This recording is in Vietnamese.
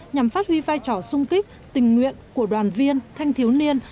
nhằm phát huy vai trò sung kích tình nguyện của đoàn viên thanh thiếu niên